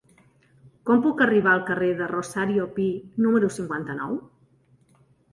Com puc arribar al carrer de Rosario Pi número cinquanta-nou?